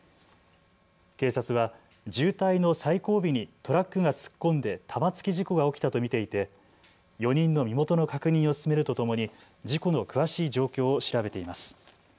警察は渋滞の最後尾にトラックが突っ込んで玉突き事故が起きたと見ていて４人の身元の確認を進めるとともに事故の詳しい状況を調べています。